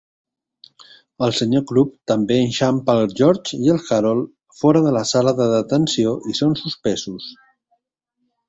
El Sr. Krupp també enxampa el George i el Harold fora de la sala de detenció i són suspesos.